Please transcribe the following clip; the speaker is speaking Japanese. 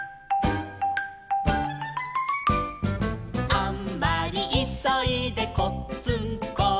「あんまりいそいでこっつんこ」